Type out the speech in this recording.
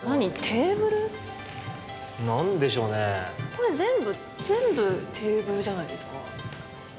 これ全部全部テーブルじゃないですか。